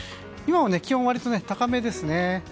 今も気温は割と高めですね。